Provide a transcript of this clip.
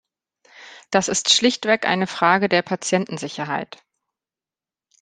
Das ist schlichtweg eine Frage der Patientensicherheit.